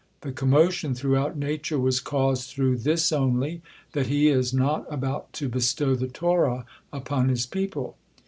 The commotion throughout nature was caused through this only, that He is not about to bestow the Torah upon His people.